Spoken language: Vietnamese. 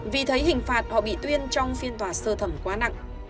vì thấy hình phạt họ bị tuyên trong phiên tòa sơ thẩm quá nặng